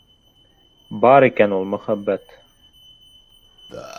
Бар икән ул мөхәббәт!